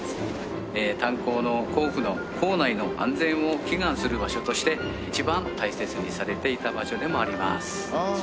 炭鉱の坑夫の坑内の安全を祈願する場所として一番大切にされていた場所でもあります。